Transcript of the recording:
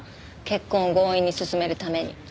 結婚を強引に進めるために。